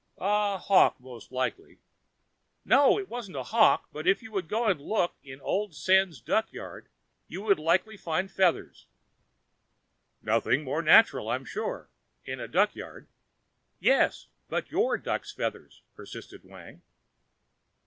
"A hawk most likely." "No, it wasn't a hawk, but if you would go and look in old Sen's duck yard, you would likely find feathers." "Nothing more natural, I am sure, in a duck yard." "Yes, but your duck's feathers," persisted Wang.